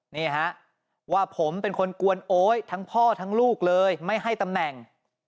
นี่ฮะว่าผมเป็นคนกวนโอ๊ยทั้งพ่อทั้งลูกเลยไม่ให้ตำแหน่ง